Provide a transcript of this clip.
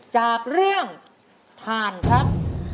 จากเรื่องถ่านครับ